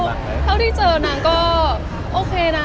เท่าที่รู้เท่าที่เจอนางก็โอเคนะ